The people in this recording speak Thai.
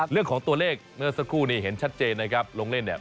เรื่องของตัวเลขเมื่อสักครู่นี้เห็นชัดเจนนะครับลงเล่นเนี่ย